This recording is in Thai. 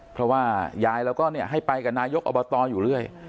เพราะว่ายายแล้วก็ให้ไปกับนายกอบตอยู่เรื่อย